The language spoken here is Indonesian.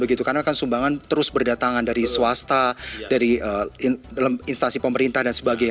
karena kan sumbangan terus berdatangan dari swasta dari instasi pemerintah dan sebagainya